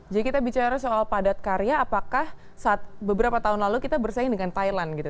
jadi kita bicara soal padat karya apakah beberapa tahun lalu kita bersaing dengan thailand gitu